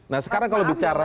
nah sekarang kalau bicara